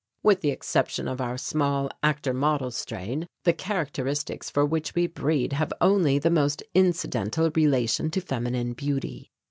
With the exception of our small actor model strain, the characteristics for which we breed have only the most incidental relation to feminine beauty.